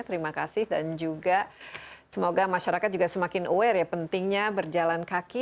terima kasih dan juga semoga masyarakat juga semakin aware ya pentingnya berjalan kaki